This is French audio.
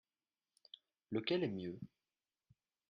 Lequel est mieux ?